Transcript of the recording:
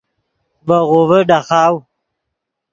ڤے غوڤے ڈاخاؤ